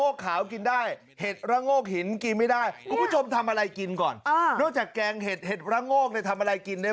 ขาวกินได้หินไม่ได้งั้นจะไม่กินได้ไงหินแข็งโป๊ะหินไม่ได้